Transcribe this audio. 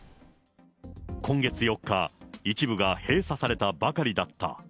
今月４日、一部が閉鎖されたばかりだった。